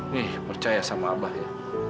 nih percaya sama abah ya